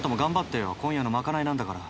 てよ今夜の賄いなんだから。